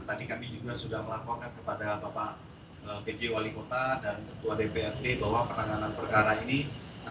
tadi kami juga sudah melakukan penyelidikan dari pores tamalangkota